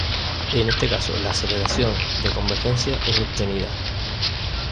En este caso, la aceleración de convergencia es obtenida.